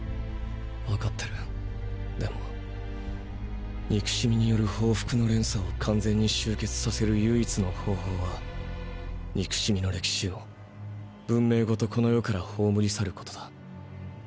⁉わかってるでも憎しみによる報復の連鎖を完全に終結させる唯一の方法は憎しみの歴史を文明ごとこの世から葬り去ることだ。